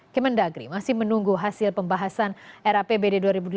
kementerian dalam negeri masih menunggu hasil pembahasan era apbd dua ribu delapan belas